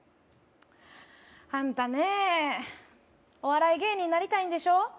あんたねえお笑い芸人になりたいんでしょ？